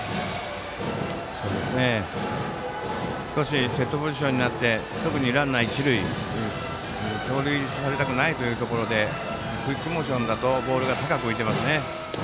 少しセットポジションになって特にランナー、一塁で盗塁されたくないところでクイックモーションだとボールが高く浮いていますね。